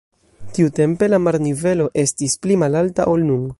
Tiutempe la marnivelo estis pli malalta ol nun.